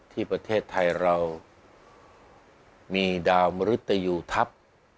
ที่ประเทศไทยเรามีดาวมรุตยูทัพ